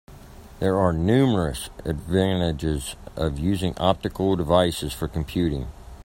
There are numerous advantages of using optical devices for computing.